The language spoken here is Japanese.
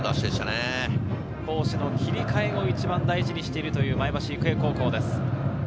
攻守の切り替えも一番大事にしているという前橋育英高校です。